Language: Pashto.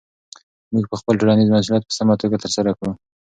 موږ به خپل ټولنیز مسؤلیت په سمه توګه ترسره کړو.